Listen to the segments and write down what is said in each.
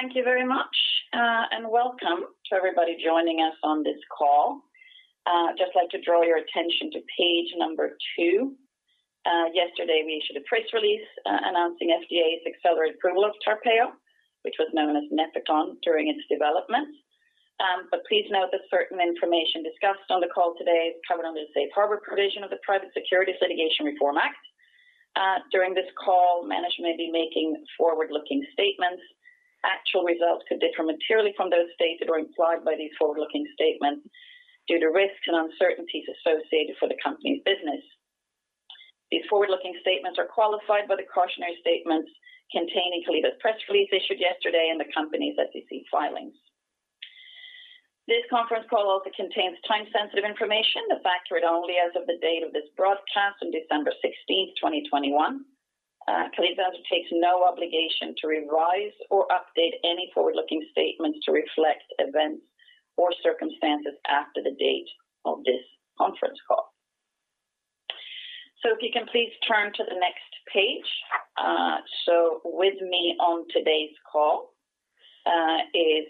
Thank you very much, and welcome to everybody joining us on this call. Just like to draw your attention to page number two. Yesterday we issued a press release, announcing FDA's accelerated approval of TARPEYO, which was known as Nefecon during its development. Please note that certain information discussed on the call today is covered under the safe harbor provision of the Private Securities Litigation Reform Act. During this call, management may be making forward-looking statements. Actual results could differ materially from those stated or implied by these forward-looking statements due to risks and uncertainties associated with the company's business. These forward-looking statements are qualified by the cautionary statements contained in Calliditas's press release issued yesterday and the company's SEC filings. This conference call also contains time-sensitive information that's accurate only as of the date of this broadcast on December 16th, 2021. Calliditas undertakes no obligation to revise or update any forward-looking statements to reflect events or circumstances after the date of this conference call. If you can please turn to the next page. With me on today's call is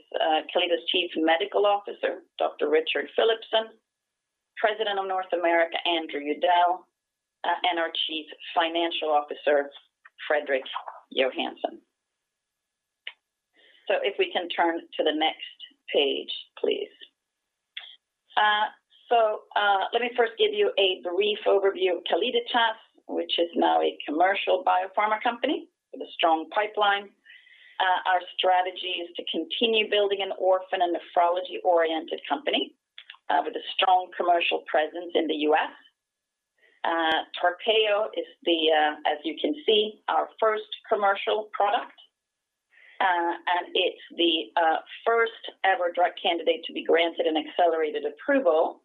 Calliditas's Chief Medical Officer, Dr. Richard Philipson, President of North America, Andrew Udell, and our Chief Financial Officer, Fredrik Johansson. If we can turn to the next page, please. Let me first give you a brief overview of Calliditas, which is now a commercial biopharma company with a strong pipeline. Our strategy is to continue building an orphan and nephrology-oriented company with a strong commercial presence in the U.S. TARPEYO is the, as you can see, our first commercial product. It's the first ever drug candidate to be granted an accelerated approval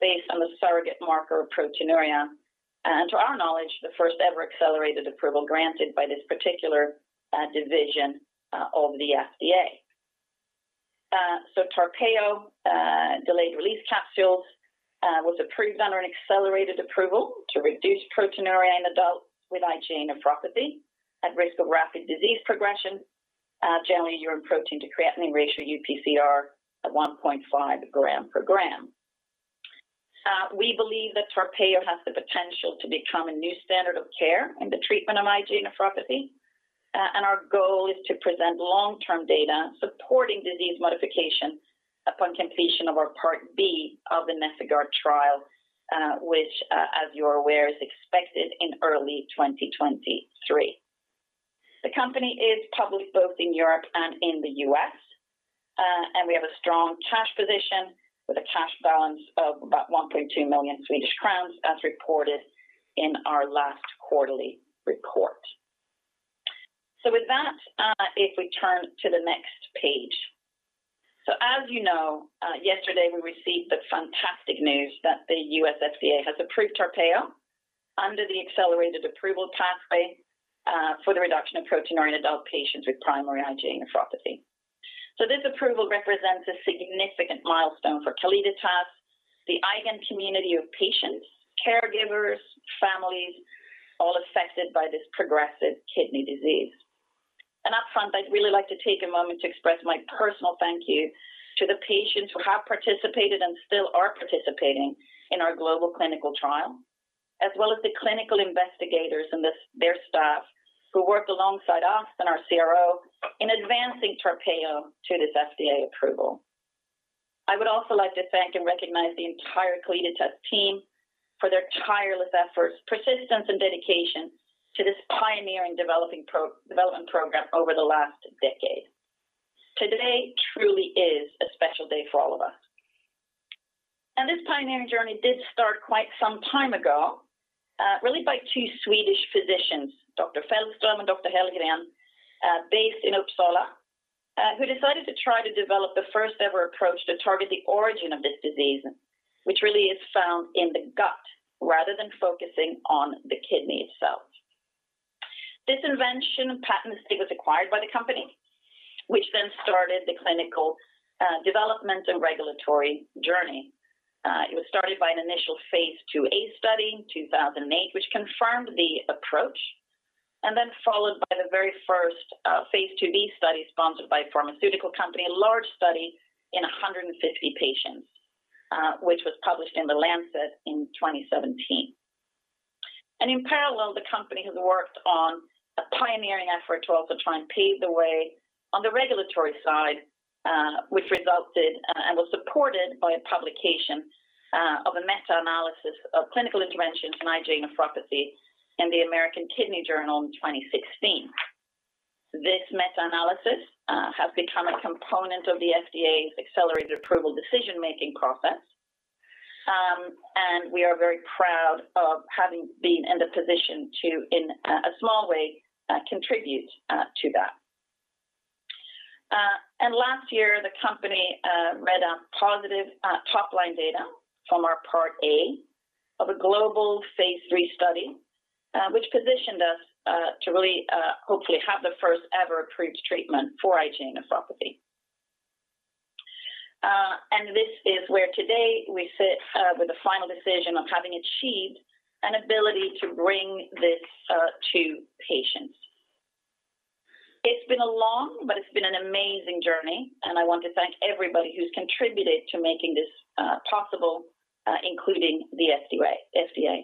based on the surrogate marker of proteinuria. To our knowledge, the first ever accelerated approval granted by this particular division of the FDA. TARPEYO delayed release capsules was approved under an accelerated approval to reduce proteinuria in adults with IgA nephropathy at risk of rapid disease progression. Generally urine protein to creatinine ratio, UPCR, at 1.5 g/g. We believe that TARPEYO has the potential to become a new standard of care in the treatment of IgA nephropathy. Our goal is to present long-term data supporting disease modification upon completion of our Part B of the NefIgArd trial, which, as you're aware, is expected in early 2023. The company is public both in Europe and in the U.S. We have a strong cash position with a cash balance of about 1.2 million Swedish crowns as reported in our last quarterly report. With that, if we turn to the next page. As you know, yesterday we received the fantastic news that the U.S. FDA has approved TARPEYO under the accelerated approval pathway for the reduction of proteinuria in adult patients with primary IgA nephropathy. This approval represents a significant milestone for Calliditas, the IgAN community of patients, caregivers, families, all affected by this progressive kidney disease. Upfront, I'd really like to take a moment to express my personal thank you to the patients who have participated and still are participating in our global clinical trial. As well as the clinical investigators and their staff who worked alongside us and our CRO in advancing TARPEYO to this FDA approval. I would also like to thank and recognize the entire Calliditas team for their tireless efforts, persistence, and dedication to this pioneering development program over the last decade. Today truly is a special day for all of us. This pioneering journey did start quite some time ago, really by two Swedish physicians, Dr. Fellström and Dr. Hällgren It was started by an initial phase IIa study in 2008, which confirmed the approach, and then followed by the very first phase IIb study sponsored by a pharmaceutical company, a large study in 150 patients, which was published in The Lancet in 2017. In parallel, the company has worked on a pioneering effort to also try and pave the way on the regulatory side, which resulted and was supported by a publication of a meta-analysis of clinical interventions in IgA nephropathy in the American Journal of Kidney Diseases in 2016. This meta-analysis has become a component of the FDA's accelerated approval decision-making process. We are very proud of having been in the position to, in a small way, contribute to that. Last year, the company read out positive top-line data from our Part A of a global phase III study, which positioned us to really hopefully have the first ever approved treatment for IgA nephropathy. This is where today we sit with the final decision of having achieved an ability to bring this to patients. It's been a long, but it's been an amazing journey, and I want to thank everybody who's contributed to making this possible, including the FDA.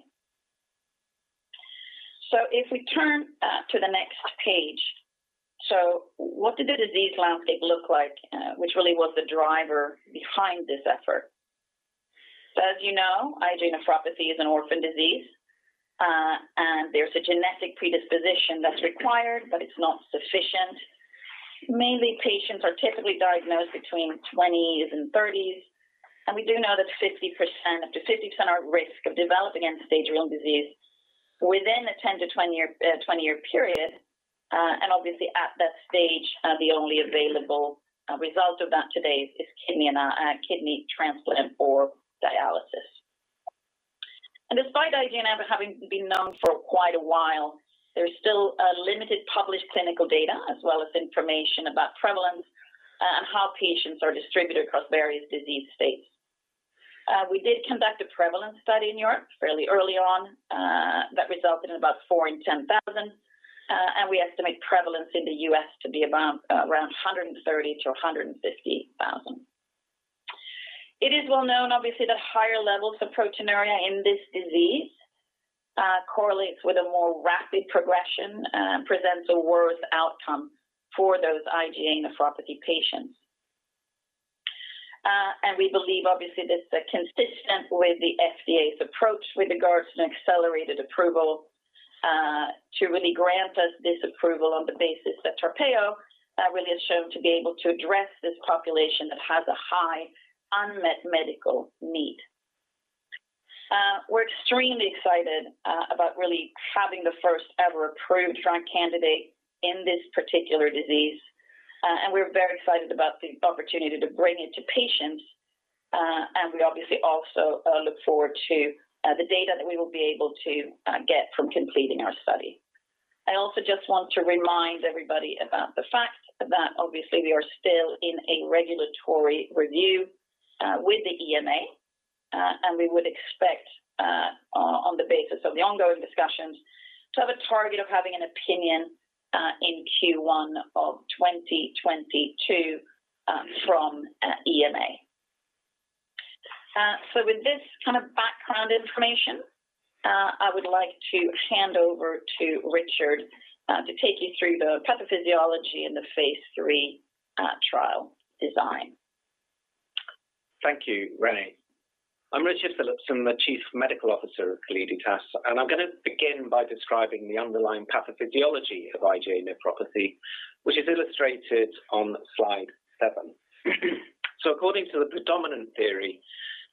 If we turn to the next page. What did the disease landscape look like, which really was the driver behind this effort? As you know, IgA nephropathy is an orphan disease. There's a genetic predisposition that's required, but it's not sufficient. Mainly patients are typically diagnosed between 20s and 30s, and we do know that 50% up to 50% are at risk of developing end-stage renal disease within a 10- to 20-year period. Obviously at that stage, the only available result of that today is kidney transplant or dialysis. Despite IgAN having been known for quite a while, there is still limited published clinical data as well as information about prevalence and how patients are distributed across various disease states. We did conduct a prevalence study in Europe fairly early on that resulted in about 4 in 10,000. We estimate prevalence in the U.S. to be about 130- to 150,000. It is well known obviously that higher levels of proteinuria in this disease correlates with a more rapid progression presents a worse outcome for those IgA nephropathy patients. We believe obviously this is consistent with the FDA's approach with regards to an accelerated approval to really grant us this approval on the basis that TARPEYO really has shown to be able to address this population that has a high unmet medical need. We're extremely excited about really having the first-ever approved drug candidate in this particular disease. We're very excited about the opportunity to bring it to patients. We obviously also look forward to the data that we will be able to get from completing our study. I also just want to remind everybody about the fact that obviously we are still in a regulatory review with the EMA. We would expect on the basis of the ongoing discussions to have a target of having an opinion in Q1 of 2022 from EMA. With this kind of background information, I would like to hand over to Richard to take you through the pathophysiology in the phase III trial design. Thank you, Renee. I'm Richard Philipson. I'm the Chief Medical Officer of Calliditas and I'm gonna begin by describing the underlying pathophysiology of IgA nephropathy, which is illustrated on slide seven. According to the predominant theory,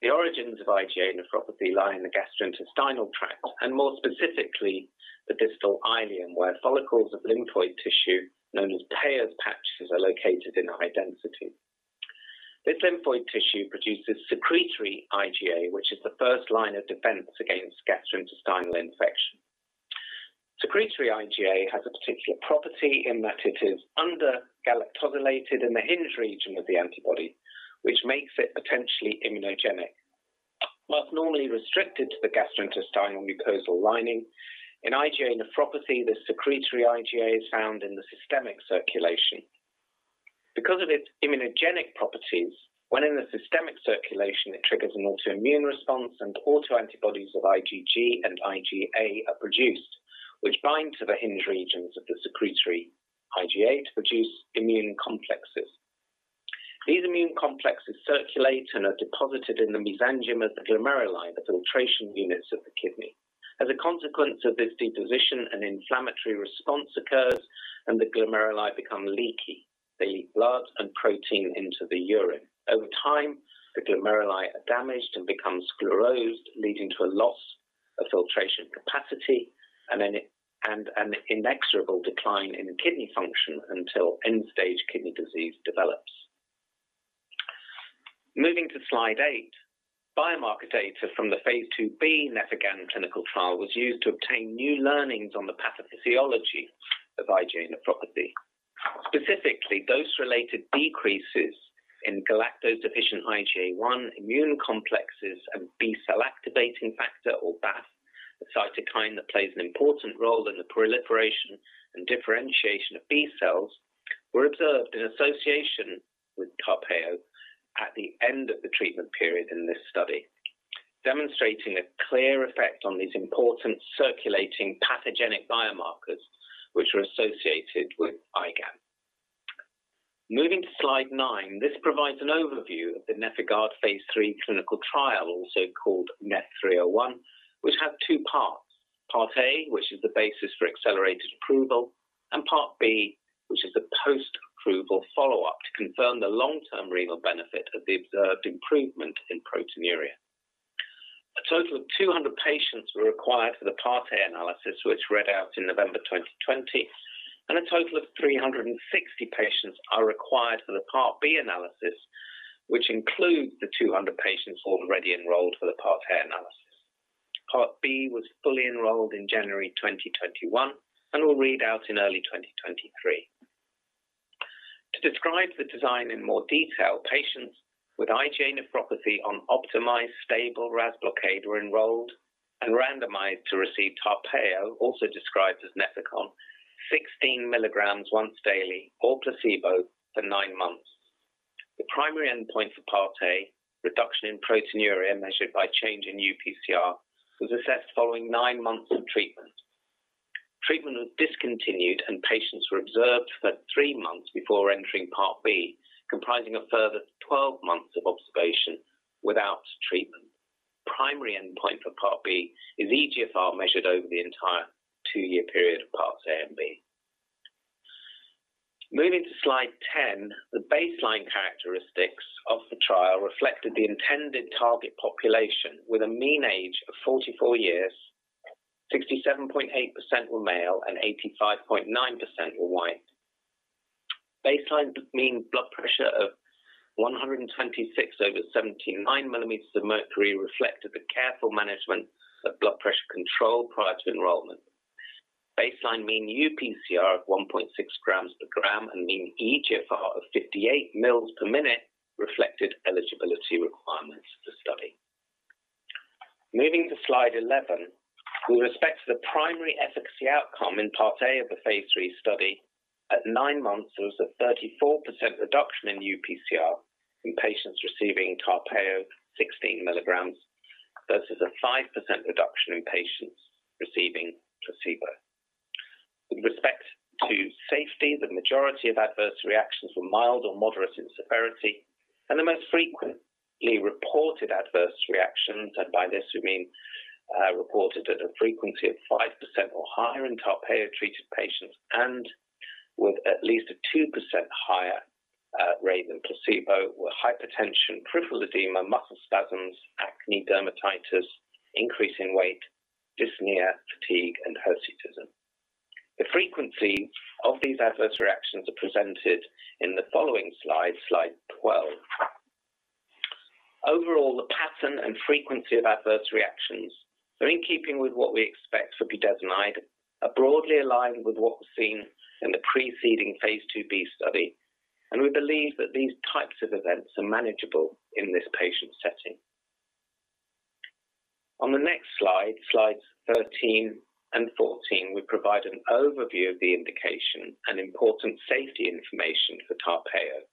the origins of IgA nephropathy lie in the gastrointestinal tract and more specifically the distal ileum, where follicles of lymphoid tissue known as Peyer's patches are located in high density. This lymphoid tissue produces secretory IgA, which is the first line of defense against gastrointestinal infection. Secretory IgA has a particular property in that it is undergalactosylated in the hinge region of the antibody, which makes it potentially immunogenic. While normally restricted to the gastrointestinal mucosal lining, in IgA nephropathy, the secretory IgA is found in the systemic circulation. Because of its immunogenic properties, when in the systemic circulation, it triggers an autoimmune response, and autoantibodies of IgG and IgA are produced, which bind to the hinge regions of the secretory IgA to produce immune complexes. These immune complexes circulate and are deposited in the mesangium of the glomeruli, the filtration units of the kidney. As a consequence of this deposition, an inflammatory response occurs and the glomeruli become leaky. They leak blood and protein into the urine. Over time, the glomeruli are damaged and become sclerosed, leading to a loss of filtration capacity and an inexorable decline in kidney function until end-stage renal disease develops. Moving to slide 8. Biomarker data from the phase IIb NefIgArd clinical trial was used to obtain new learnings on the pathophysiology of IgA nephropathy. Specifically, dose-related decreases in galactose-deficient IgA1 immune complexes and B-cell activating factor or BAFF, a cytokine that plays an important role in the proliferation and differentiation of B cells, were observed in association with TARPEYO at the end of the treatment period in this study, demonstrating a clear effect on these important circulating pathogenic biomarkers which were associated with IgAN. Moving to slide nine. This provides an overview of the NefIgArd phase III clinical trial, also called NEPH-301, which had two parts. Part A, which is the basis for accelerated approval, and part B, which is the post-approval follow-up to confirm the long-term renal benefit of the observed improvement in proteinuria. A total of 200 patients were required for the Part A analysis, which read out in November 2020, and a total of 360 patients are required for the Part B analysis, which includes the 200 patients already enrolled for the Part A analysis. Part B was fully enrolled in January 2021 and will read out in early 2023. To describe the design in more detail, patients with IgA nephropathy on optimized, stable RAS blockade were enrolled and randomized to receive TARPEYO, also described as Nefecon, 16 mg once daily or placebo for nine months. The primary endpoint for Part A, reduction in proteinuria measured by change in UPCR, was assessed following nine months of treatment. Treatment was discontinued, and patients were observed for three months before entering Part B, comprising a further 12 months of observation without treatment. Primary endpoint for Part B is eGFR measured over the entire two-year period of Parts A and B. Moving to slide 10, the baseline characteristics of the trial reflected the intended target population with a mean age of 44 years, 67.8% were male, and 85.9% were White. Baseline mean blood pressure of 126/79 mm Hg reflected the careful management of blood pressure control prior to enrollment. Baseline mean UPCR of 1.6 g/g and mean eGFR of 58 mL/min reflected eligibility requirements for the study. Moving to slide 11, with respect to the primary efficacy outcome in Part A of the phase III study, at nine months, there was a 34% reduction in UPCR in patients receiving TARPEYO 16 mg versus a 5% reduction in patients receiving placebo. With respect to safety, the majority of adverse reactions were mild or moderate in severity, and the most frequently reported adverse reactions, and by this we mean, reported at a frequency of 5% or higher in TARPEYO-treated patients and with at least a 2% higher rate than placebo, were hypertension, peripheral edema, muscle spasms, acne, dermatitis, increase in weight, dyspnea, fatigue, and hirsutism. The frequency of these adverse reactions are presented in the following slide 12. Overall, the pattern and frequency of adverse reactions are in keeping with what we expect for budesonide, are broadly aligned with what was seen in the preceding phase IIb study, and we believe that these types of events are manageable in this patient setting. On the next slide, slides 13 and 14, we provide an overview of the indication and important safety information for TARPEYO.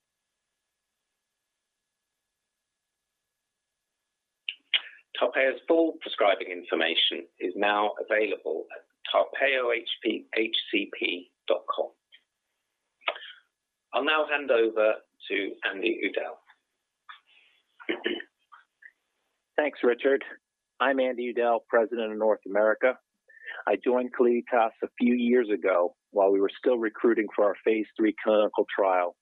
TARPEYO's full prescribing information is now available at tarpeyohcp.com. I'll now hand over to Andy Udell. Thanks, Richard. I'm Andy Udell, President of North America. I joined Calliditas a few years ago while we were still recruiting for our phase III clinical trial.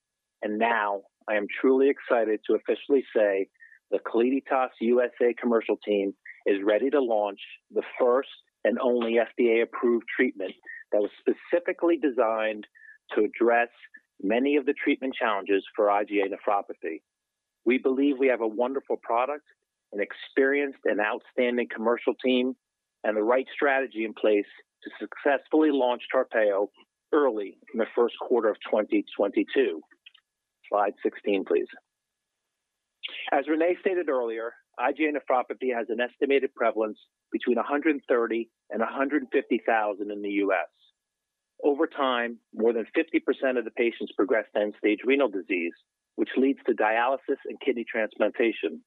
Now I am truly excited to officially say the Calliditas U.S.A commercial team is ready to launch the first and only FDA-approved treatment that was specifically designed to address many of the treatment challenges for IgA nephropathy. We believe we have a wonderful product, an experienced and outstanding commercial team, and the right strategy in place to successfully launch TARPEYO early in the first quarter of 2022. Slide 16, please. As Renee stated earlier, IgA nephropathy has an estimated prevalence between 130,000 and 150,000 in the U.S. Over time, more than 50% of the patients progress to end-stage renal disease, which leads to dialysis and kidney transplantation,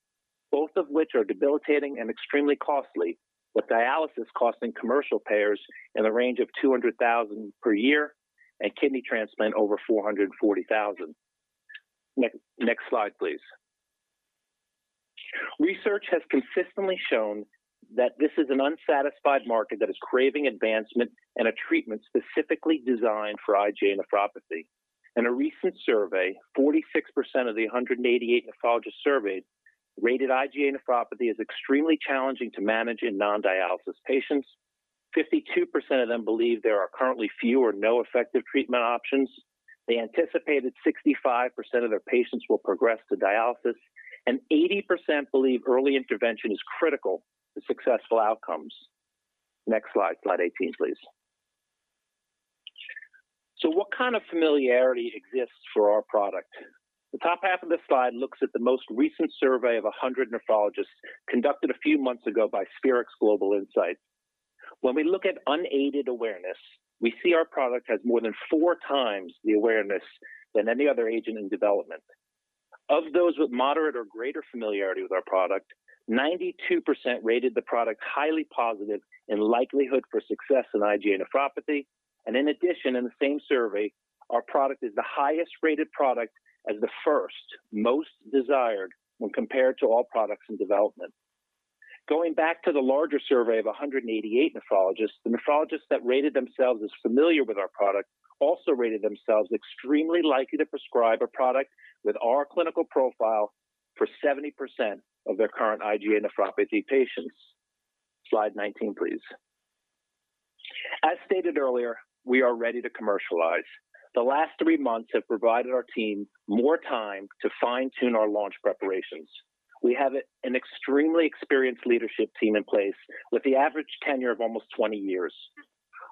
both of which are debilitating and extremely costly, with dialysis costing commercial payers in the range of $200,000 per year and kidney transplant over $440,000. Next slide, please. Research has consistently shown that this is an unsatisfied market that is craving advancement and a treatment specifically designed for IgA nephropathy. In a recent survey, 46% of the 188 nephrologists surveyed rated IgA nephropathy as extremely challenging to manage in non-dialysis patients. 52% of them believe there are currently few or no effective treatment options. They anticipated 65% of their patients will progress to dialysis, and 80% believe early intervention is critical to successful outcomes. Next slide eighteen, please. What kind of familiarity exists for our product? The top half of this slide looks at the most recent survey of 100 nephrologists conducted a few months ago by Spherix Global Insights. When we look at unaided awareness, we see our product has more than four times the awareness than any other agent in development. Of those with moderate or greater familiarity with our product, 92% rated the product highly positive in likelihood for success in IgA nephropathy. In addition, in the same survey, our product is the highest-rated product as the first most desired when compared to all products in development. Going back to the larger survey of 188 nephrologists, the nephrologists that rated themselves as familiar with our product also rated themselves extremely likely to prescribe a product with our clinical profile for 70% of their current IgA nephropathy patients. Slide 19, please. As stated earlier, we are ready to commercialize. The last three months have provided our team more time to fine-tune our launch preparations. We have an extremely experienced leadership team in place with the average tenure of almost 20 years.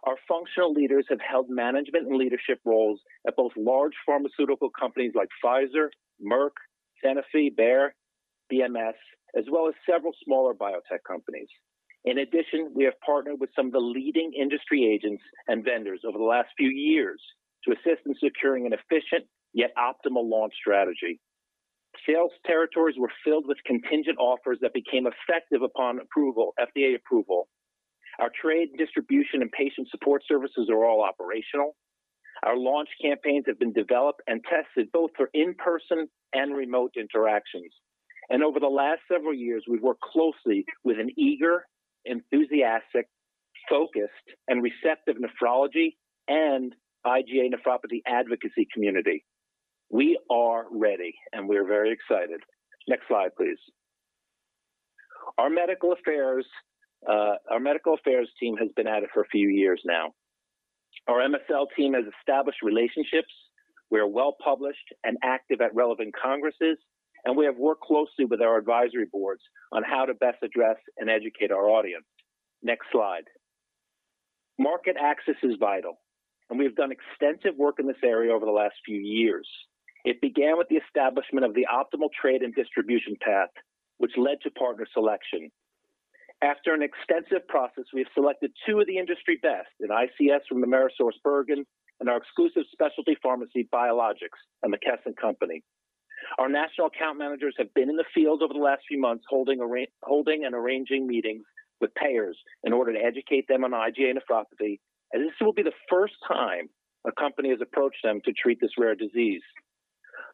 Our functional leaders have held management and leadership roles at both large pharmaceutical companies like Pfizer, Merck, Sanofi, Bayer, BMS, as well as several smaller biotech companies. In addition, we have partnered with some of the leading industry agents and vendors over the last few years to assist in securing an efficient yet optimal launch strategy. Sales territories were filled with contingent offers that became effective upon approval, FDA approval. Our trade, distribution, and patient support services are all operational. Our launch campaigns have been developed and tested both for in-person and remote interactions. Over the last several years, we've worked closely with an eager, enthusiastic, focused, and receptive nephrology and IgA nephropathy advocacy community. We are ready, and we're very excited. Next slide, please. Our medical affairs team has been at it for a few years now. Our MSL team has established relationships, we are well-published and active at relevant congresses, and we have worked closely with our advisory boards on how to best address and educate our audience. Next slide. Market access is vital, and we have done extensive work in this area over the last few years. It began with the establishment of the optimal trade and distribution path, which led to partner selection. After an extensive process, we have selected two of the industry best in ICS, from AmerisourceBergen and our exclusive specialty pharmacy, Biologics by McKesson company. Our national account managers have been in the field over the last few months, holding and arranging meetings with payers in order to educate them on IgA nephropathy, and this will be the first time a company has approached them to treat this rare disease.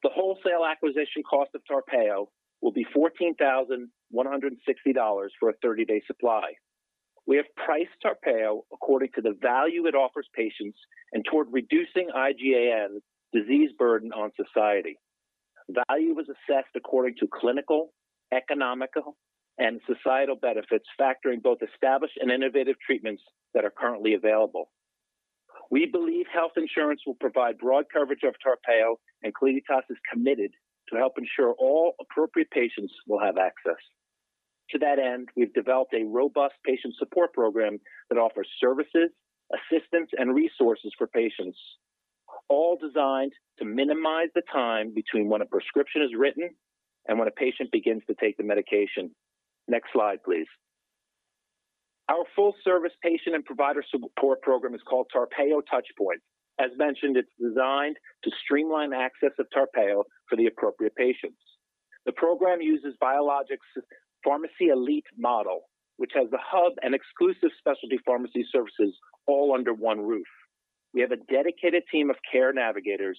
The wholesale acquisition cost of TARPEYO will be $14,160 for a 30-day supply. We have priced TARPEYO according to the value it offers patients and toward reducing IgAN disease burden on society. Value was assessed according to clinical, economical, and societal benefits, factoring both established and innovative treatments that are currently available. We believe health insurance will provide broad coverage of TARPEYO, and Calliditas is committed to help ensure all appropriate patients will have access. To that end, we've developed a robust patient support program that offers services, assistance, and resources for patients, all designed to minimize the time between when a prescription is written and when a patient begins to take the medication. Next slide, please. Our full-service patient and provider support program is called TARPEYO Touchpoints. As mentioned, it's designed to streamline access of TARPEYO for the appropriate patients. The program uses Biologics by McKesson's PharmacyElite model, which has the hub and exclusive specialty pharmacy services all under one roof. We have a dedicated team of care navigators,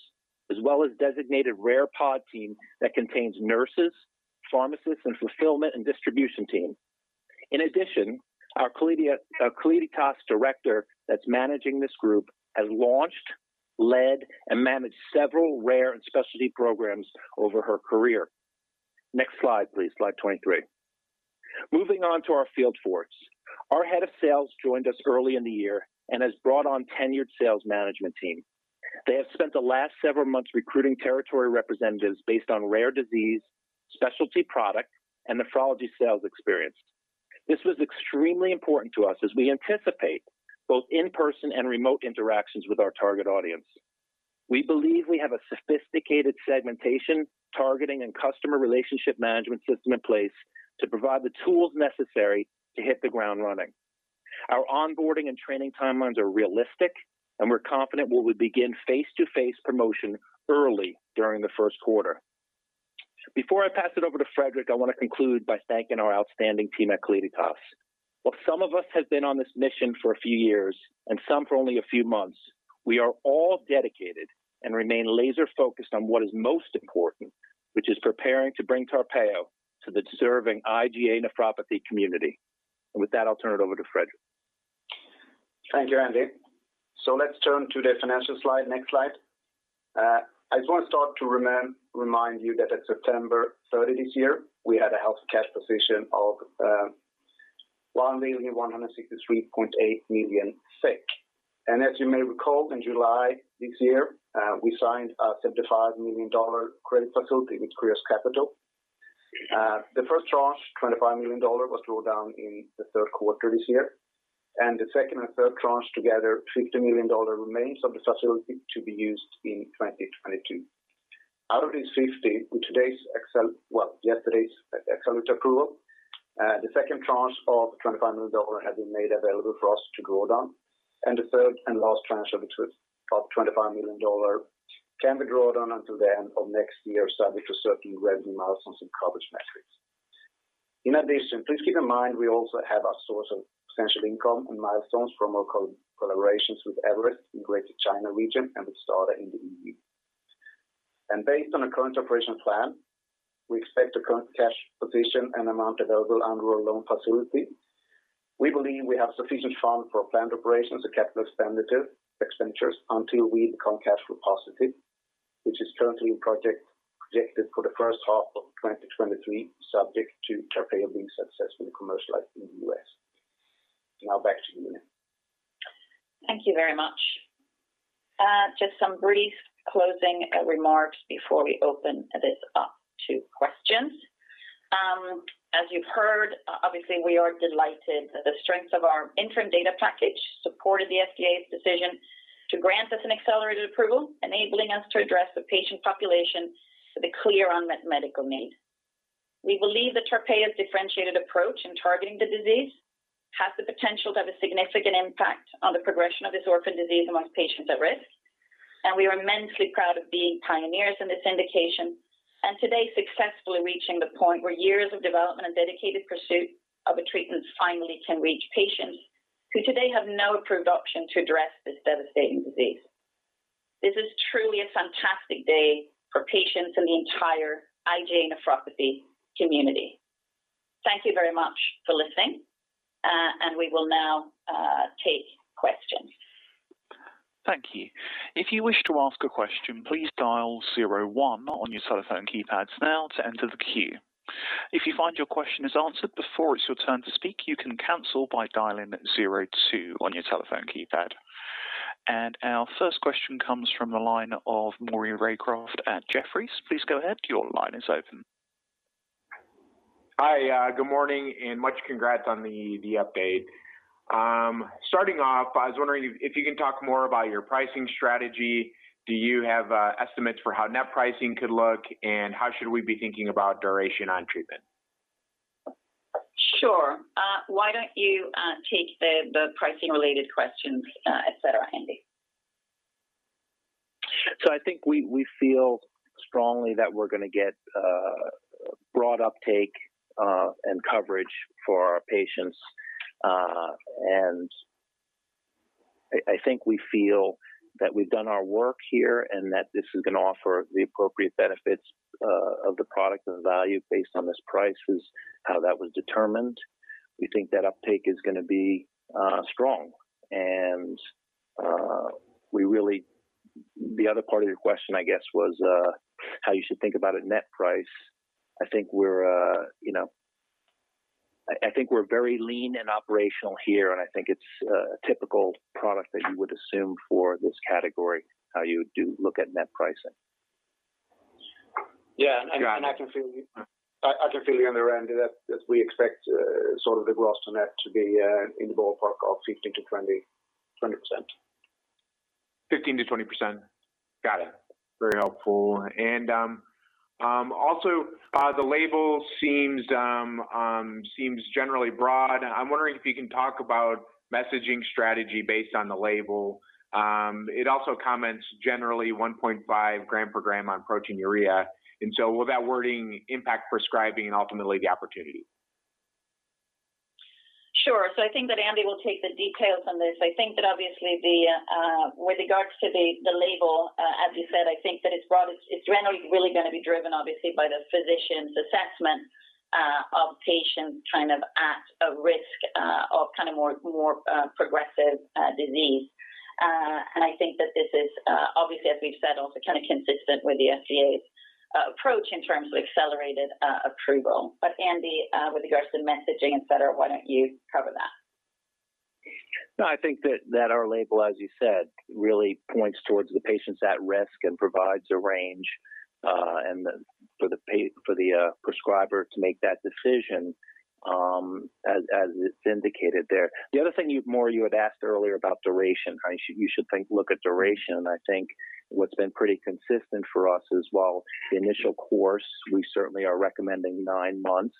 as well as designated rare pod team that contains nurses, pharmacists, and fulfillment and distribution team. In addition, our Calliditas director that's managing this group has launched, led, and managed several rare and specialty programs over her career. Next slide, please. Slide 23. Moving on to our field force. Our head of sales joined us early in the year and has brought on tenured sales management team. They have spent the last several months recruiting territory representatives based on rare disease, specialty product, and nephrology sales experience. This was extremely important to us as we anticipate both in-person and remote interactions with our target audience. We believe we have a sophisticated segmentation, targeting, and customer relationship management system in place to provide the tools necessary to hit the ground running. Our onboarding and training timelines are realistic, and we're confident we would begin face-to-face promotion early during the first quarter. Before I pass it over to Fredrik, I want to conclude by thanking our outstanding team at Calliditas. While some of us have been on this mission for a few years and some for only a few months, we are all dedicated and remain laser-focused on what is most important, which is preparing to bring TARPEYO to the deserving IgA nephropathy community. With that, I'll turn it over to Fredrik. Thank you, Andy. Let's turn to the financial slide. Next slide. I just want to start to remind you that at September 30 this year, we had a healthy cash position of 1,163.8 million SEK. As you may recall, in July this year, we signed a $55 million credit facility with Kreos Capital. The first tranche, $25 million, was drawn down in the third quarter this year. The second and third tranche together, $50 million remains of the facility to be used in 2022. Out of this 50, in today's well, yesterday's EMA approval, the second tranche of $25 million has been made available for us to draw down. The third and last tranche of $25 million can be drawn down until the end of next year, subject to certain revenue milestones and coverage metrics. In addition, please keep in mind we also have a source of potential income and milestones from our collaborations with Everest in Greater China region and with STADA in the E.U. Based on our current operational plan, we expect the current cash position and amount available under our loan facility. We believe we have sufficient funds for planned operations and capital expenditures until we become cash flow positive, which is currently projected for the first half of 2023, subject to TARPEYO being successful in commercializing in the US. Now back to you, Nina. Thank you very much. Just some brief closing remarks before we open this up to questions. As you've heard, obviously, we are delighted that the strength of our interim data package supported the FDA's decision to grant us an accelerated approval, enabling us to address the patient population with a clear unmet medical need. We believe that TARPEYO's differentiated approach in targeting the disease has the potential to have a significant impact on the progression of this orphan disease amongst patients at risk. We are immensely proud of being pioneers in this indication, and today successfully reaching the point where years of development and dedicated pursuit of a treatment finally can reach patients who today have no approved option to address this devastating disease. This is truly a fantastic day for patients in the entire IgA nephropathy community. Thank you very much for listening, and we will now take questions. Our first question comes from the line of Maury Raycroft at Jefferies. Please go ahead. Your line is open. Hi. Good morning, and much congrats on the update. Starting off, I was wondering if you can talk more about your pricing strategy. Do you have estimates for how net pricing could look? How should we be thinking about duration on treatment? Sure. Why don't you take the pricing related questions, et cetera, Andy? I think we feel strongly that we're gonna get broad uptake and coverage for our patients. I think we feel that we've done our work here, and that this is gonna offer the appropriate benefits of the product and the value based on this price is how that was determined. We think that uptake is gonna be strong. The other part of your question, I guess, was how you should think about a net price. I think we're very lean and operational here, and I think it's a typical product that you would assume for this category, how you do look at net pricing. Yeah. Got it. I can feel you on the end of that we expect sort of the gross to net to be in the ballpark of 15%-20%. 15%-20%. Got it. Very helpful. Also, the label seems generally broad. I'm wondering if you can talk about messaging strategy based on the label. It also comments generally 1.5 gram per gram on proteinuria. Will that wording impact prescribing and ultimately the opportunity? Sure. I think that Andy will take the details on this. I think that obviously, with regards to the label, as you said, I think that it's broad. It's generally really gonna be driven obviously by the physician's assessment of patients kind of at a risk of kind of more progressive disease. I think that this is obviously, as we've said, also kinda consistent with the FDA's approach in terms of accelerated approval. Andy, with regards to the messaging, et cetera, why don't you cover that? No, I think that our label, as you said, really points towards the patients at risk and provides a range, and for the prescriber to make that decision, as it's indicated there. The other thing you Maury, you had asked earlier about duration. You should think to look at duration. I think what's been pretty consistent for us is while the initial course, we certainly are recommending nine months.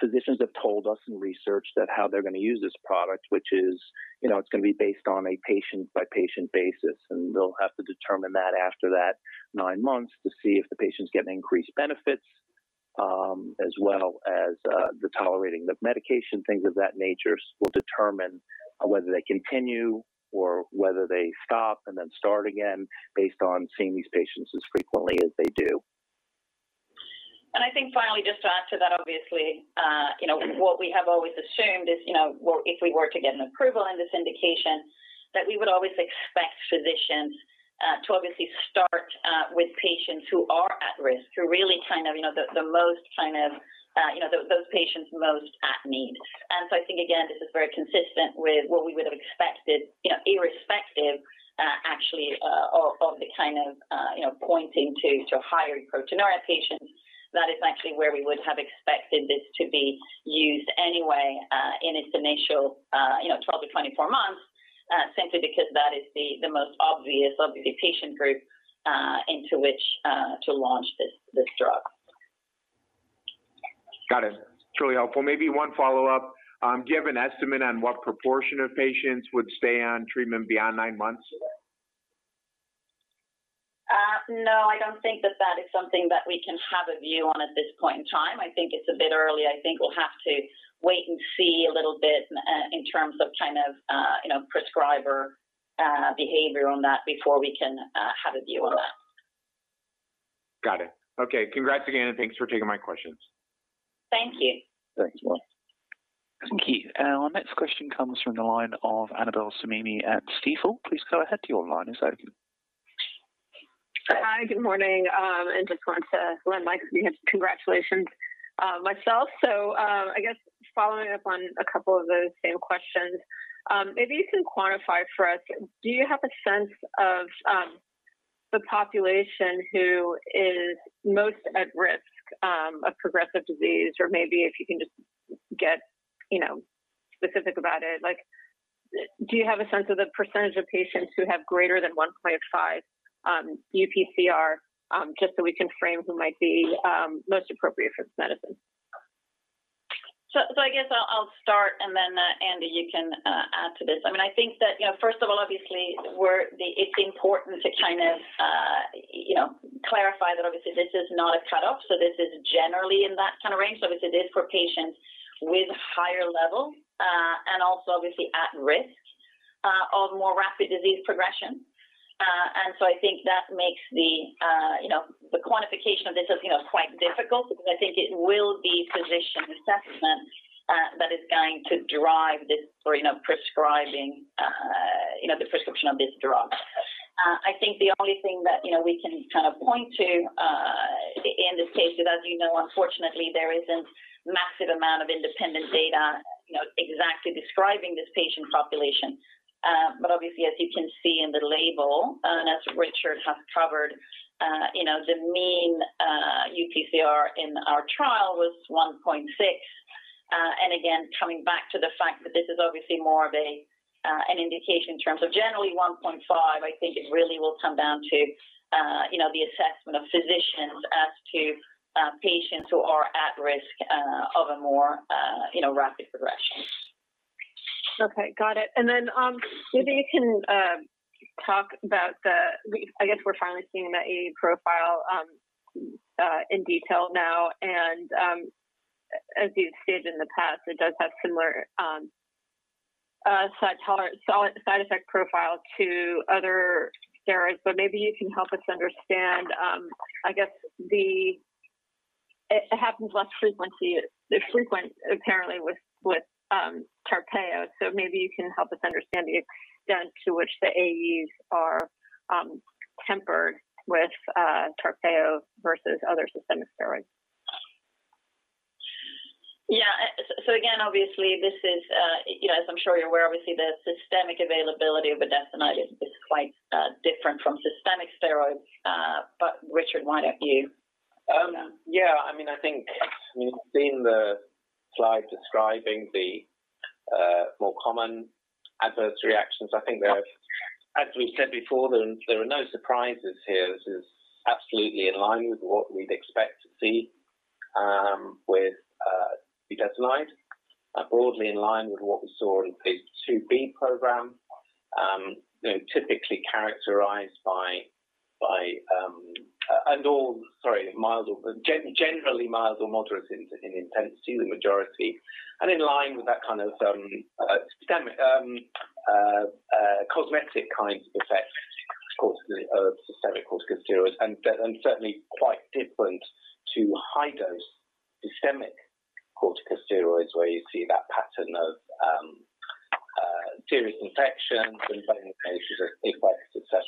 Physicians have told us in research that, how they're gonna use this product, which is, you know, it's gonna be based on a patient-by-patient basis, and they'll have to determine that after that nine months to see if the patient's getting increased benefits, as well as their tolerating the medication, things of that nature will determine whether they continue or whether they stop and then start again based on seeing these patients as frequently as they do. I think finally, just to add to that, obviously, you know, what we have always assumed is, you know, if we were to get an approval in this indication, that we would always expect physicians to obviously start with patients who are at risk, who are really kind of, you know, the most kind of, you know, those patients most at need. I think again, this is very consistent with what we would have expected, you know, irrespective, actually, of the kind of, you know, pointing to higher proteinuria patients. That is actually where we would have expected this to be used anyway, in its initial, you know, 12-24 months, simply because that is the most obvious, obviously, patient group into which to launch this drug. Got it. Truly helpful. Maybe one follow-up. Do you have an estimate on what proportion of patients would stay on treatment beyond nine months? No, I don't think that is something that we can have a view on at this point in time. I think it's a bit early. I think we'll have to wait and see a little bit in terms of kind of, you know, prescriber behavior on that before we can have a view on that. Got it. Okay. Congrats again, and thanks for taking my questions. Thank you. Thank you. Thank you. Our next question comes from the line of Annabel Samimy at Stifel. Please go ahead. Your line is open. Hi. Good morning. I just want to lend my congratulations myself. I guess following up on a couple of those same questions, if you can quantify for us, do you have a sense of the population who is most at risk of progressive disease? Or maybe if you can just get, you know, specific about it. Like, do you have a sense of the percentage of patients who have greater than 1.5 UPCR just so we can frame who might be most appropriate for this medicine? I guess I'll start and then, Andy, you can add to this. I mean, I think that, you know, first of all, obviously it's important to kind of, you know, clarify that obviously this is not a cut-off. This is generally in that kind of range. Obviously this is for patients with higher levels, and also obviously at risk of more rapid disease progression. I think that makes the, you know, the quantification of this as, you know, quite difficult because I think it will be physician assessment that is going to drive this or, you know, prescribing, you know, the prescription of this drug. I think the only thing that, you know, we can kind of point to, in this case is, as you know, unfortunately, there isn't massive amount of independent data, you know, exactly describing this patient population. Obviously, as you can see in the label, and as Richard has covered, you know, the mean, UPCR in our trial was 1.6. Again, coming back to the fact that this is obviously more of a, an indication in terms of generally 1.5, I think it really will come down to, you know, the assessment of physicians as to, patients who are at risk, of a more, you know, rapid progression. Okay, got it. Maybe you can talk about. I guess we're finally seeing the AE profile in detail now. As you've stated in the past, it does have similar side effect profile to other steroids. Maybe you can help us understand. It happens less frequent, apparently, with TARPEYO. Maybe you can help us understand the extent to which the AEs are tempered with TARPEYO versus other systemic steroids. Yeah. Again, obviously, this is, you know, as I'm sure you're aware, obviously, the systemic availability of budesonide is quite different from systemic steroids. Richard, why don't you? Yeah. I mean, I think you've seen the slide describing the more common adverse reactions. I think as we said before, there are no surprises here. This is absolutely in line with what we'd expect to see with budesonide, broadly in line with what we saw in phase IIb program, you know, typically characterized by generally mild or moderate in intensity, the majority, and in line with that kind of systemic cosmetic kinds of effects, of course, of systemic corticosteroids, and certainly quite different to high-dose systemic corticosteroids, where you see that pattern of serious infections, bone effects or GI effects, etc.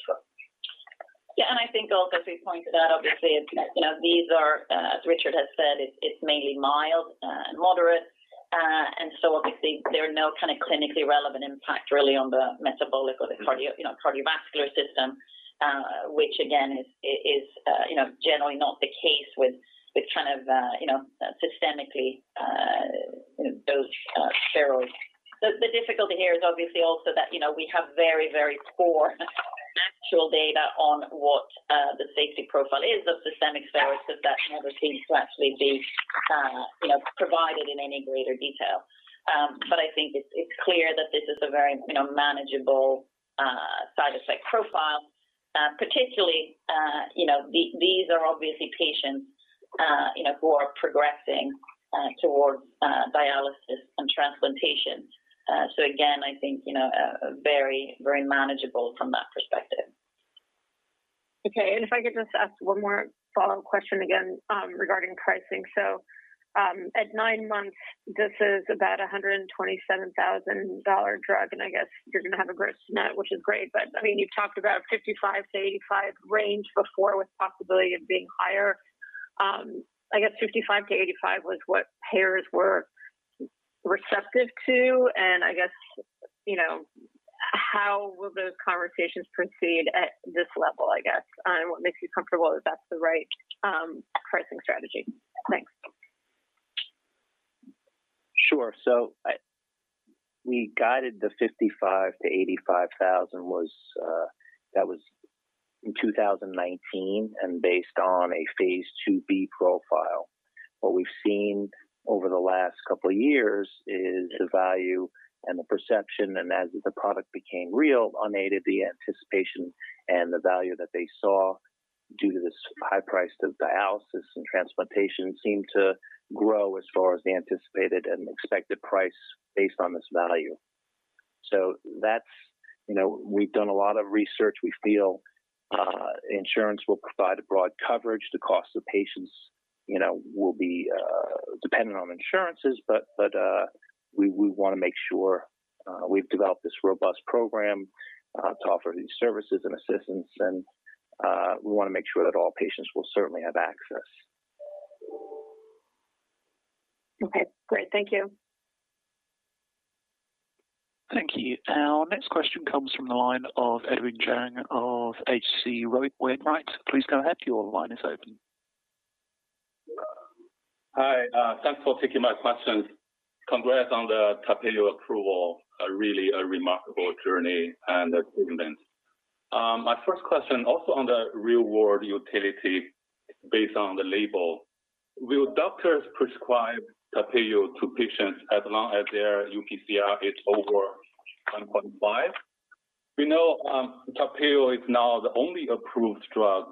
Yeah. I think also to point it out, obviously, you know, these are, as Richard has said, it's mainly mild and moderate. Obviously, there are no kind of clinically relevant impact really on the metabolic or the cardio, you know, cardiovascular system, which again, is, you know, generally not the case with kind of, you know, systemically dosed steroids. The difficulty here is obviously also that, you know, we have very, very poor actual data on what the safety profile is of systemic steroids, as that never seems to actually be, you know, provided in any greater detail. I think it's clear that this is a very, you know, manageable side effect profile, particularly, you know, these are obviously patients, you know, who are progressing towards dialysis and transplantation. Again, I think, you know, very, very manageable from that perspective. If I could just ask one more follow-up question again, regarding pricing. At nine months, this is about a $127,000 drug, and I guess you're going to have a gross-to-net, which is great. I mean, you've talked about $55,000-$85,000 range before with possibility of being higher. I guess $55,000-$85,000 was what payers were receptive to. You know, how will those conversations proceed at this level, I guess? What makes you comfortable that that's the right pricing strategy? Thanks. Sure. We guided the 55,000-85,000 was, that was in 2019 and based on a phase IIb profile. What we've seen over the last couple of years is the value and the perception, and as the product became real, unaided the anticipation and the value that they saw due to this high price of dialysis and transplantation seemed to grow as far as the anticipated and expected price based on this value. That's, you know, we've done a lot of research. We feel, insurance will provide a broad coverage. The cost to patients, you know, will be dependent on insurances. But we wanna make sure we've developed this robust program to offer these services and assistance and we wanna make sure that all patients will certainly have access. Okay, great. Thank you. Thank you. Our next question comes from the line of Edwin Zhang of H.C. Wainwright. Please go ahead. Your line is open. Hi. Thanks for taking my questions. Congrats on the TARPEYO approval. A really remarkable journey and achievement. My first question also on the real-world utility based on the label. Will doctors prescribe TARPEYO to patients as long as their UPCR is over 1.5? We know TARPEYO is now the only approved drug,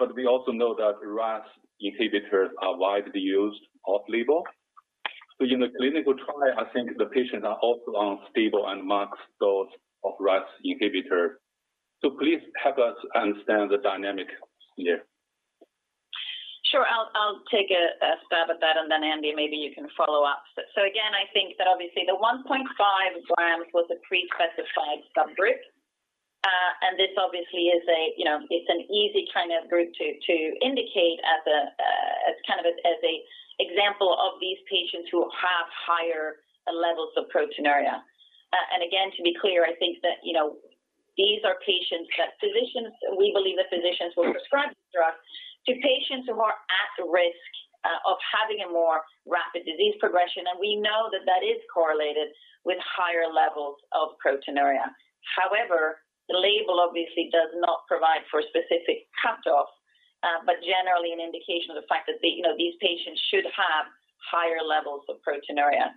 but we also know that RAS inhibitors are widely used off-label. In the clinical trial, I think the patients are also on stable and max dose of RAS inhibitor. Please help us understand the dynamic here. Sure. I'll take a stab at that, and then, Andy, maybe you can follow up. Again, I think that obviously the 1.5 grams was a pre-specified subgroup. And this obviously is, you know, an easy kind of group to indicate as kind of an example of these patients who have higher levels of proteinuria. And again, to be clear, I think that, you know, these are patients that physicians, we believe that physicians will prescribe this drug to patients who are at risk of having a more rapid disease progression. We know that that is correlated with higher levels of proteinuria. However, the label obviously does not provide for a specific cutoff, but generally an indication of the fact that, you know, these patients should have higher levels of proteinuria.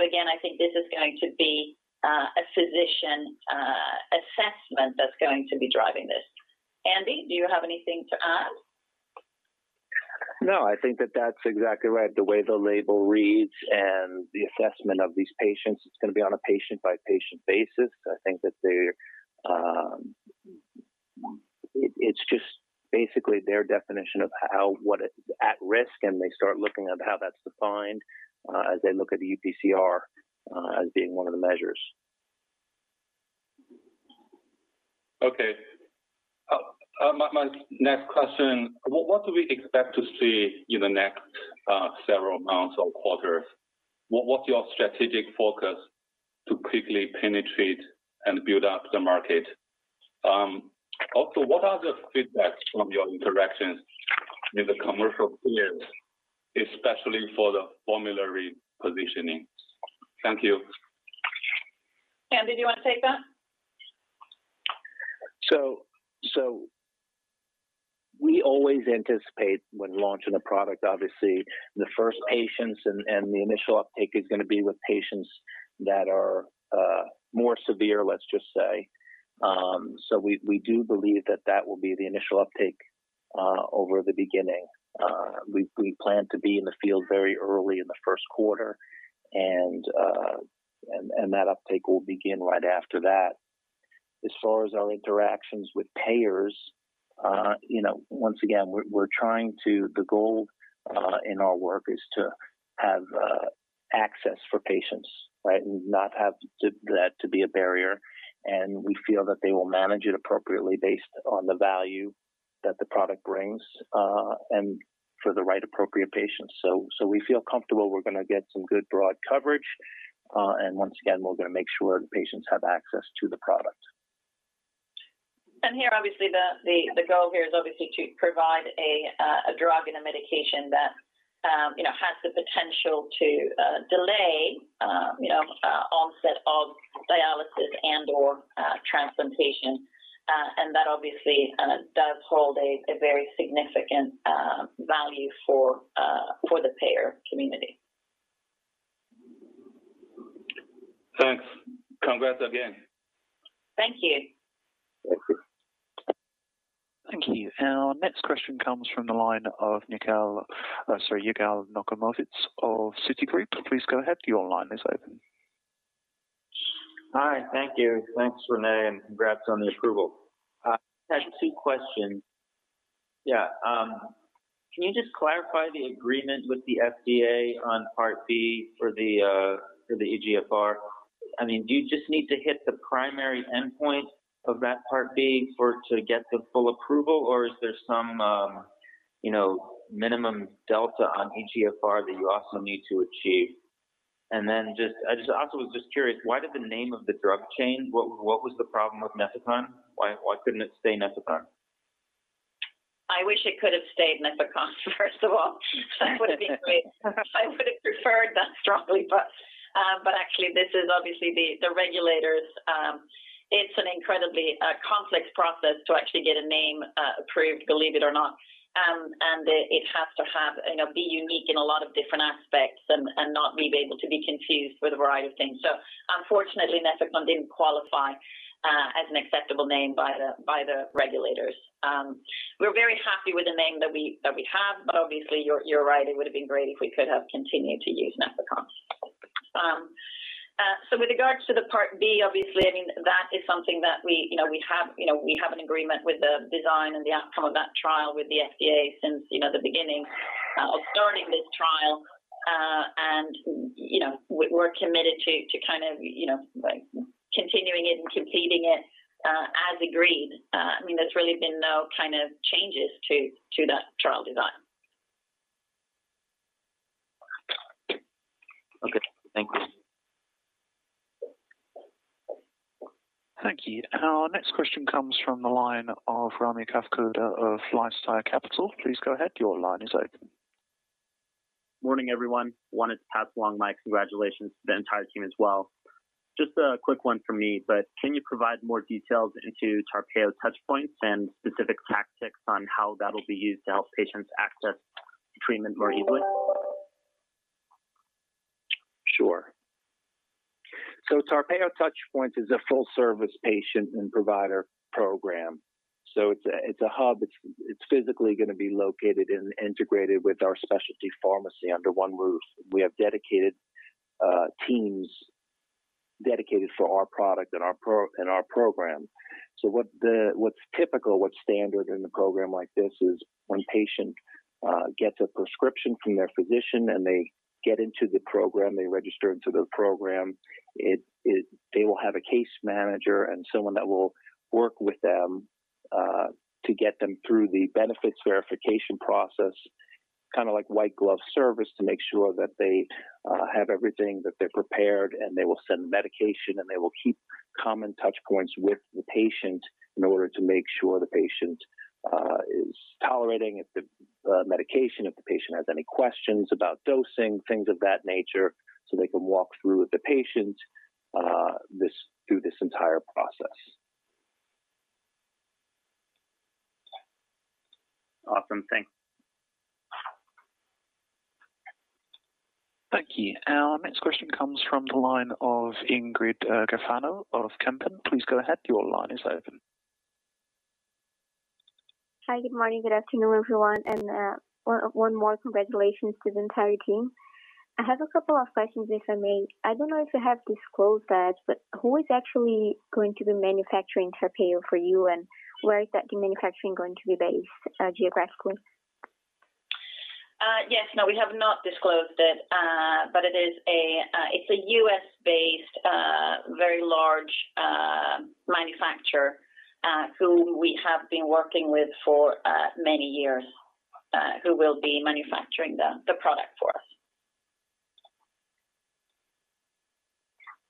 Again, I think this is going to be a physician assessment that's going to be driving this. Andy, do you have anything to add? No, I think that's exactly right. The way the label reads and the assessment of these patients, it's gonna be on a patient-by-patient basis. I think that they're. It's just basically their definition of what is at risk, and they start looking at how that's defined, as they look at the UPCR, as being one of the measures. Okay. My next question, what do we expect to see in the next several months or quarters? What's your strategic focus to quickly penetrate and build up the market? Also, what are the feedbacks from your interactions in the commercial peers, especially for the formulary positioning? Thank you. Andy, do you wanna take that? We always anticipate when launching a product, obviously, the first patients and the initial uptake is gonna be with patients that are more severe, let's just say. We do believe that will be the initial uptake over the beginning. We plan to be in the field very early in the first quarter and that uptake will begin right after that. As far as our interactions with payers, you know, once again, the goal in our work is to have access for patients, right? And not have that to be a barrier. We feel that they will manage it appropriately based on the value that the product brings and for the right appropriate patients. We feel comfortable we're gonna get some good broad coverage. Once again, we're gonna make sure patients have access to the product. Here, obviously, the goal here is obviously to provide a drug and a medication that, you know, has the potential to delay, you know, onset of dialysis and/or transplantation. That obviously does hold a very significant value for the payer community. Thanks. Congrats again. Thank you. Thank you. Thank you. Our next question comes from the line of Nikhil, sorry, Yigal Nochomovitz of Citigroup. Please go ahead. Your line is open. Hi. Thank you. Thanks, Renée, and congrats on the approval. I have two questions. Can you just clarify the agreement with the FDA on Part B for the eGFR? I mean, do you just need to hit the primary endpoint of that Part B for it to get the full approval, or is there some, you know, minimum delta on eGFR that you also need to achieve? I was curious, why did the name of the drug change? What was the problem with Nefecon? Why couldn't it stay Nefecon? I wish it could have stayed Nefecon, first of all. That would have been great. I would have preferred that strongly. Actually this is obviously the regulators. It's an incredibly complex process to actually get a name approved, believe it or not. It has to have, you know, be unique in a lot of different aspects and not be able to be confused with a variety of things. Unfortunately, Nefecon didn't qualify as an acceptable name by the regulators. We're very happy with the name that we have, but obviously you're right, it would have been great if we could have continued to use Nefecon. With regards to the Part B, obviously, I mean, that is something that we have an agreement with the design and the outcome of that trial with the FDA since the beginning of starting this trial. You know, we're committed to kind of, you know, like continuing it and completing it as agreed. I mean, there's really been no kind of changes to that trial design. Okay. Thanks. Thank you. Our next question comes from the line of Rami Katkhuda of LifeSci Capital. Please go ahead. Your line is open. Morning, everyone. I wanted to pass along my congratulations to the entire team as well. Just a quick one from me, but can you provide more details into TARPEYO Touchpoints and specific tactics on how that'll be used to help patients access treatment more easily? Sure. TARPEYO Touchpoints is a full-service patient and provider program. It's a hub. It's physically gonna be located and integrated with our specialty pharmacy under one roof. We have dedicated teams for our product and our program. What's typical, what's standard in a program like this is when a patient gets a prescription from their physician and they get into the program, they register into the program. They will have a case manager and someone that will work with them to get them through the benefits verification process, kinda like white glove service, to make sure that they have everything, that they're prepared, and they will send medication, and they will keep common touchpoints with the patient in order to make sure the patient is tolerating the medication. If the patient has any questions about dosing, things of that nature, so they can walk through with the patient, through this entire process. Awesome. Thanks. Thank you. Our next question comes from the line of Ingrid Gafanhão of Kempen. Please go ahead. Your line is open. Hi. Good morning. Good afternoon, everyone. One more congratulations to the entire team. I have a couple of questions, if I may. I don't know if you have disclosed that, but who is actually going to be manufacturing TARPEYO for you, and where is that manufacturing going to be based, geographically? Yes. No, we have not disclosed it. But it is a U.S.-based very large manufacturer who we have been working with for many years who will be manufacturing the product for us.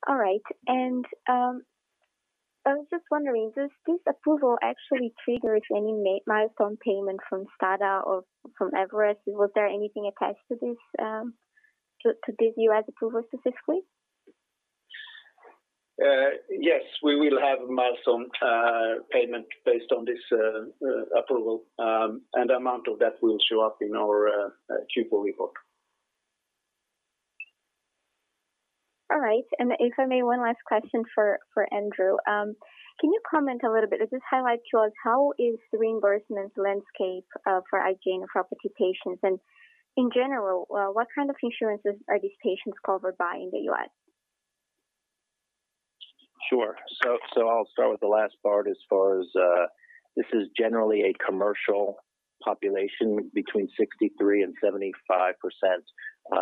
All right. I was just wondering, does this approval actually trigger any milestone payment from STADA or from Everest? Was there anything attached to this, to this U.S. approval specifically? Yes. We will have a milestone payment based on this approval. The amount of that will show up in our Q4 report. All right. If I may, one last question for Andrew. Can you comment a little bit, or just highlight to us how is the reimbursement landscape for IgA nephropathy patients? In general, what kind of insurances are these patients covered by in the U.S.? Sure. I'll start with the last part as far as this is generally a commercial population between 63%-75%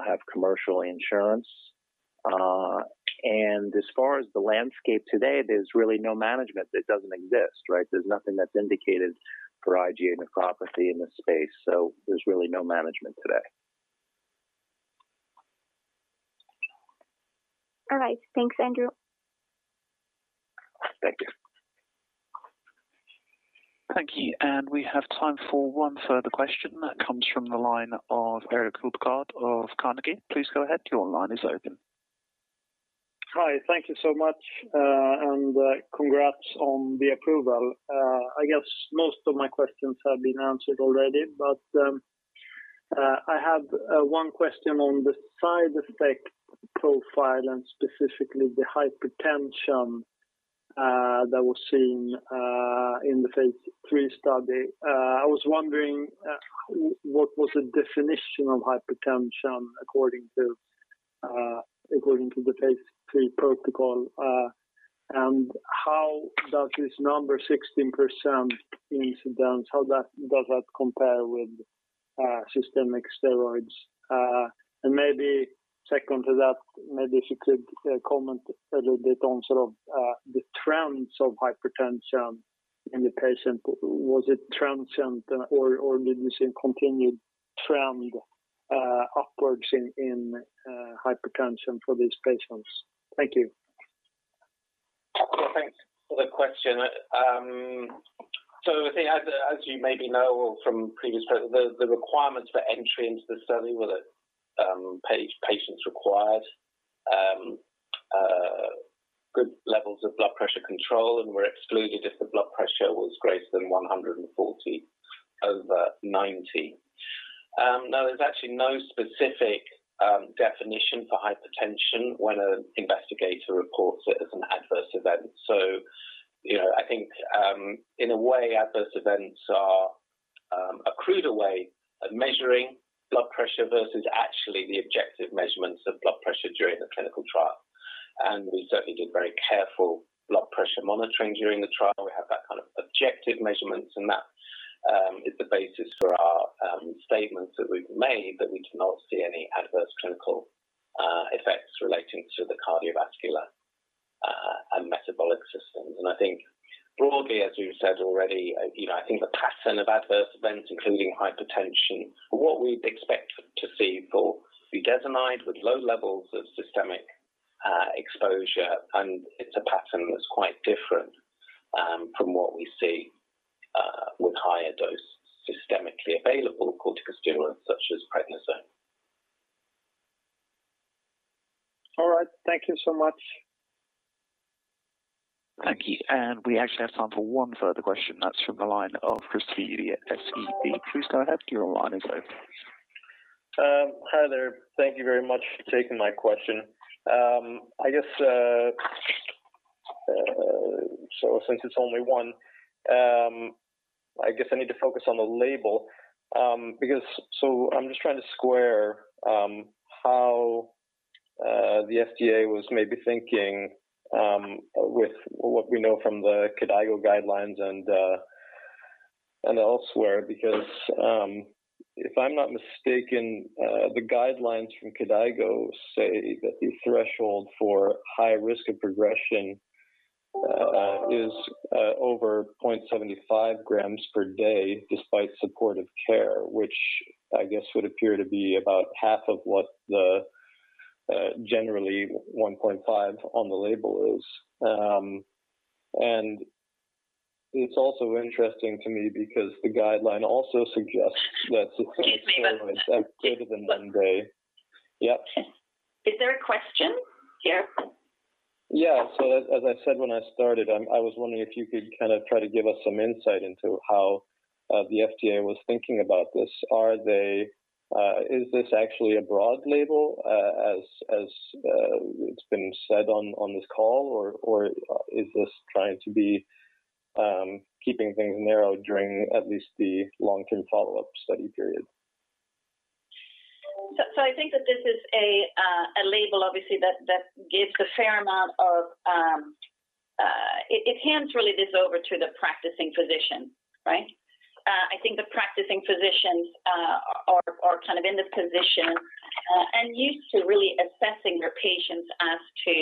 have commercial insurance. As far as the landscape today, there's really no management that doesn't exist, right? There's nothing that's indicated for IgA nephropathy in this space, so there's really no management today. All right. Thanks, Andrew. Thank you. Thank you. We have time for one further question that comes from the line of Erik Hultgård of Carnegie. Please go ahead. Your line is open. Hi. Thank you so much. Congrats on the approval. I guess most of my questions have been answered already, but I have one question on the side effect profile and specifically the hypertension that was seen in the phase III study. I was wondering what was the definition of hypertension according to the phase III protocol? And how does this number 16% incidence, how does that compare with systemic steroids? And maybe second to that, maybe if you could comment a little bit on sort of the trends of hypertension in the patient. Was it transient or did you see a continued trend upwards in hypertension for these patients? Thank you. Thanks for the question. So I think as you maybe know from previous studies, the requirements for entry into the study were that patients required good levels of blood pressure control and were excluded if the blood pressure was greater than 140 over 90. Now there's actually no specific definition for hypertension when an investigator reports it as an adverse event. So you know, I think in a way, adverse events are a crude way of measuring blood pressure versus actually the objective measurements of blood pressure during the clinical trial. We certainly did very careful blood pressure monitoring during the trial. We have that kind of objective measurements, and that is the basis for our statements that we've made, that we do not see any adverse clinical effects relating to the cardiovascular and metabolic systems. I think broadly, as you said already, you know, I think the pattern of adverse events, including hypertension, what we'd expect to see for budesonide with low levels of systemic exposure, and it's a pattern that's quite different from what we see with higher dose systemically available corticosteroids such as prednisone. All right. Thank you so much. Thank you. We actually have time for one further question. That's from the line of Christie Udell at SVB. Please go ahead. Your line is open. Hi there. Thank you very much for taking my question. I guess, so since it's only one, I guess I need to focus on the label, because I'm just trying to square how the FDA was maybe thinking with what we know from the KDIGO guidelines and elsewhere, because if I'm not mistaken, the guidelines from KDIGO say that the threshold for high risk of progression is over 0.75 grams per day despite supportive care, which I guess would appear to be about half of what the generally 1.5 on the label is. It's also interesting to me because the guideline also suggests that. Excuse me one second. Greater than one day. Yep. Is there a question here? Yeah. As I said when I started, I was wondering if you could kind of try to give us some insight into how the FDA was thinking about this. Is this actually a broad label, as it's been said on this call, or is this trying to be keeping things narrow during at least the long-term follow-up study period? I think that this is a label obviously that gives a fair amount of. It hands really this over to the practicing physician, right? I think the practicing physicians are kind of in this position and used to really assessing their patients as to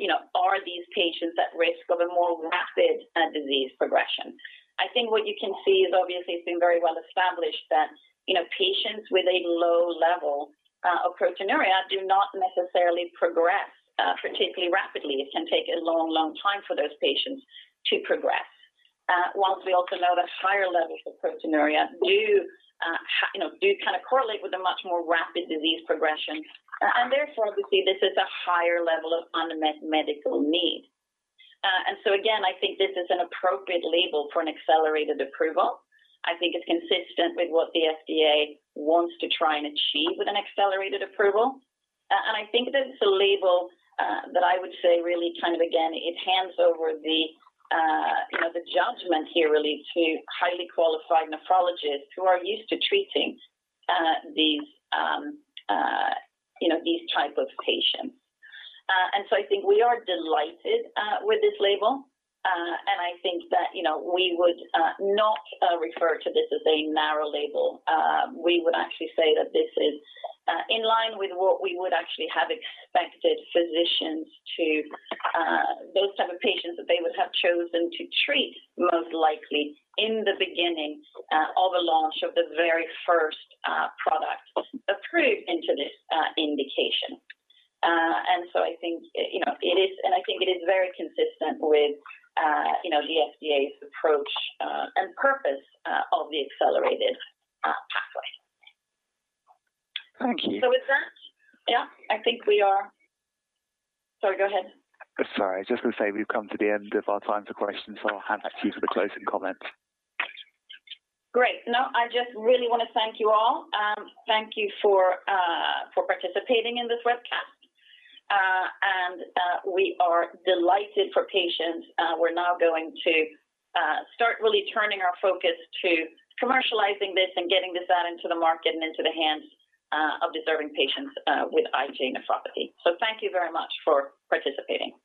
you know are these patients at risk of a more rapid disease progression. I think what you can see is obviously it's been very well established that you know patients with a low level of proteinuria do not necessarily progress particularly rapidly. It can take a long time for those patients to progress. While we also know that higher levels of proteinuria do you know do kind of correlate with a much more rapid disease progression. Therefore we see this as a higher level of unmet medical need. Again, I think this is an appropriate label for an accelerated approval. I think it's consistent with what the FDA wants to try and achieve with an accelerated approval. I think that it's a label that I would say really kind of again, it hands over the you know the judgment here really to highly qualified nephrologists who are used to treating these you know these type of patients. I think we are delighted with this label. I think that you know we would not refer to this as a narrow label. We would actually say that this is in line with what we would actually have expected physicians to those type of patients that they would have chosen to treat most likely in the beginning of the launch of the very first product approved into this indication. I think, you know, it is very consistent with, you know, the FDA's approach and purpose of the accelerated pathway. Thank you. Yeah, I think we are. Sorry, go ahead. Sorry. I was just gonna say we've come to the end of our time for questions, so I'll hand back to you for the closing comments. Great. No, I just really wanna thank you all. Thank you for participating in this webcast. We are delighted for patients. We're now going to start really turning our focus to commercializing this and getting this out into the market and into the hands of deserving patients with IgA nephropathy. Thank you very much for participating.